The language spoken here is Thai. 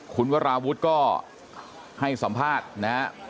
คุณวราวุฒิก็ให้สัมภาษณ์นะฮะ